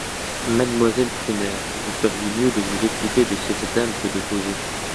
Mademoiselle Prunaire, vous feriez mieux de vous occuper de cette dame que de causer.